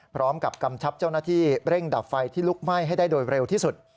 กำชับเจ้าหน้าที่เร่งดับไฟที่ลุกไหม้ให้ได้โดยเร็วที่สุด